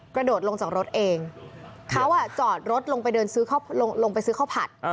กระโดดลงจากรถเองเขาจอดรถลงไปเดินซื้อลงไปซื้อข้าวผัด